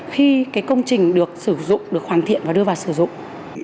khi công trình được sử dụng được hoàn thiện và đưa vào sử dụng